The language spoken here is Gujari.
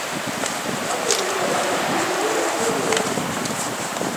اَگے دیکھے راہ مابِیرو لیلو پیو وو